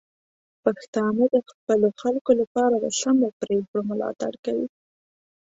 پښتانه د خپلو خلکو لپاره د سمو پریکړو ملاتړ کوي.